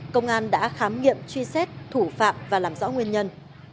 công an đã khám nghiệm truy xét thủ phạm và làm rõ nguyên nhân